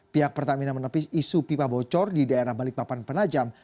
pihak pertamina menepis isu pipa bocor di daerah balikpapan penajam